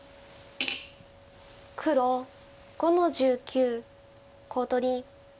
黒５の十九コウ取り。